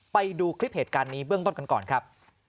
ไปดูคลิปเหตุการณ์นี้เบื้องต้นกันก่อนครับ